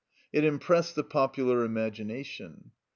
It impressed the popular imagination.